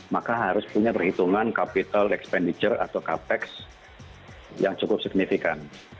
maka harus punya perhitungan capital expenditure atau capex yang cukup signifikan